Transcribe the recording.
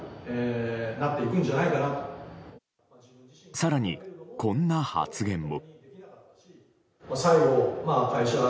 更に、こんな発言も。